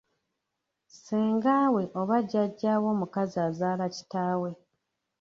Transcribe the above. Ssengaawe oba Jjajjaawe omukazi azaala kitaawe.